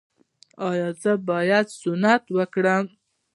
ایا زه باید ستنې ولګوم؟